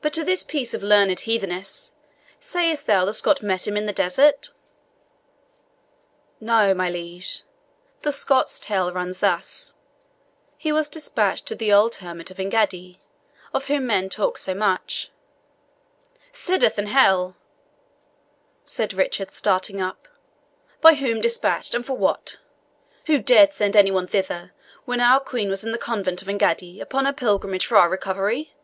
But to this piece of learned heathenesse sayest thou the Scot met him in the desert?" "No, my liege; the Scot's tale runs thus. He was dispatched to the old hermit of Engaddi, of whom men talk so much " "'Sdeath and hell!" said Richard, starting up. "By whom dispatched, and for what? Who dared send any one thither, when our Queen was in the Convent of Engaddi, upon her pilgrimage for our recovery?"